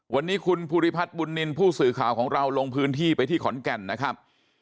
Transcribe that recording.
วันนี้คุณภูริพัฒน์บุญนินทร์ผู้สื่อข่าวของเราลงพื้นที่ไปที่ขอนแก่นนะครับ